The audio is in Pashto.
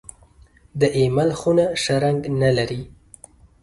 د اېمل خونه ښه رنګ نه لري .